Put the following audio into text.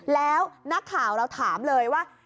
แล้วนักข่าวเราถามเลยว่า